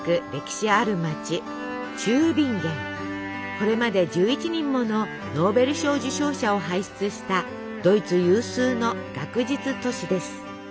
これまで１１人ものノーベル賞受賞者を輩出したドイツ有数の学術都市です。